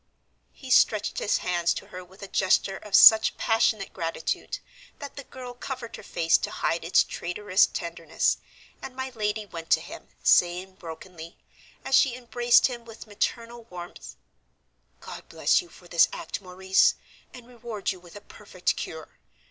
He stretched his hands to her with a gesture of such passionate gratitude that the girl covered her face to hide its traitorous tenderness, and my lady went to him, saying brokenly, as she embraced him with maternal warmth, "God bless you for this act, Maurice, and reward you with a perfect cure.